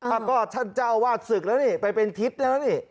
อ่ะก็ท่านเจ้าวาดศึกแล้วนี่ไปเป็นทิศแล้วนี่